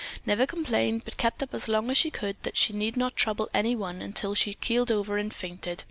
Never complained, but kept up as long as she could that she need not trouble anyone until she just keeled over and fainted.